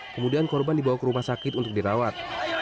kemudian korban dibawa ke rumah sakit untuk dirawat